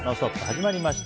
始まりました。